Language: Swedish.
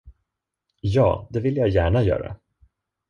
Ja, det vill jag gärna göra.